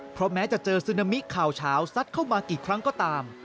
เพราะแม้จะเจอซึนามิข่าวเฉาซัดเข้ามากี่ครั้งก็ตาม